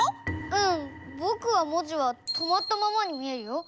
うん！ぼくは文字はとまったままに見えるよ。